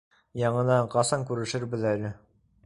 — Яңынан ҡасан күрешербеҙ әле.